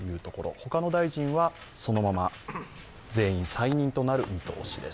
他の大臣はそのまま全員再任となる見通しです。